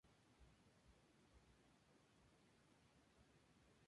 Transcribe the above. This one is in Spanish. Las competiciones se realizaron en la Arena de Belgrado.